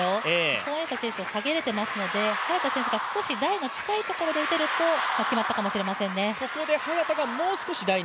孫エイ莎選手も下げられていましたので早田選手が少し台が近いところで打てると決まったかもしれませんね。